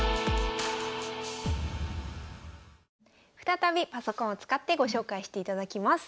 再びパソコンを使ってご紹介していただきます。